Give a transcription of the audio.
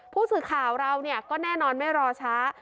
ผู้สื่อข่าวเราก็แน่นอนไม่รอช้า